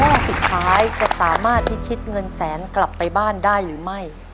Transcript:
ข้อสุดท้ายจะสามารถพิชิตเงินแสนกลับไปบ้านได้หรือไม่